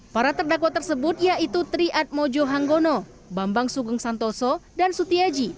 para terdakwa tersebut yaitu triad mojo hangono bambang sugeng santoso dan sutiaji